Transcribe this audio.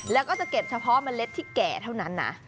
แล้วก็จะเก็บเฉพาะเมล็ดที่แก่เท่านั้นนะ